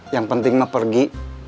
yang penting mau pergi